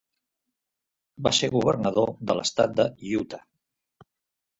Va ser governador de l'Estat de Utah.